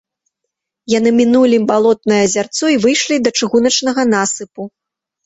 Яны мінулі балотнае азярцо і выйшлі да чыгуначнага насыпу.